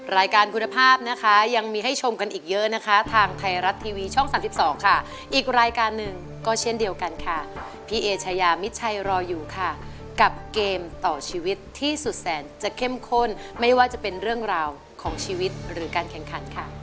รายการคุณภาพนะคะยังมีให้ชมกันอีกเยอะนะคะทางไทยรัฐทีวีช่อง๓๒ค่ะอีกรายการหนึ่งก็เช่นเดียวกันค่ะพี่เอชายามิดชัยรออยู่ค่ะกับเกมต่อชีวิตที่สุดแสนจะเข้มข้นไม่ว่าจะเป็นเรื่องราวของชีวิตหรือการแข่งขันค่ะ